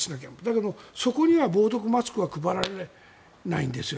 だけどそこには防毒マスクは配られないんですよ。